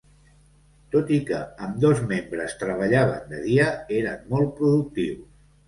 Tot i que ambdós membres treballaven de dia, eren molt productius.